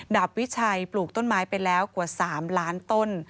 ดาบวิชัยปลูกต้นไม้ไปแล้วกว่า๓ล้านต้น